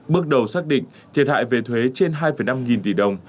bước đầu xác định thiệt hại về thuế trên hai năm nghìn tỷ đồng